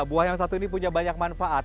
buah yang satu ini punya banyak manfaat